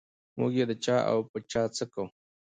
موږ یې د چا او په چا څه کوو.